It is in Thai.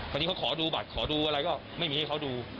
วันนี้เขาขอดูบัตรขอดูอะไรก็ไม่มีให้เขาดู